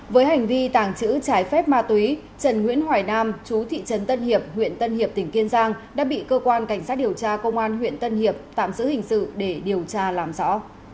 với hành vi tàng trữ trái phép ma túy trần nguyễn hoài nam chú thị trấn tân hiệp huyện tân hiệp tỉnh kiên giang đã bị cơ quan cảnh sát điều tra công an huyện tân hiệp tạm giữ hình sự để điều tra làm rõ